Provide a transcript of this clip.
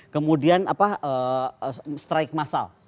kemudian apa strike massal